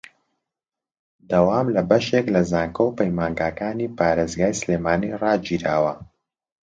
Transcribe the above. دەوام لە بەشێک لە زانکۆ و پەیمانگاکانی پارێزگای سلێمانی ڕاگیراوە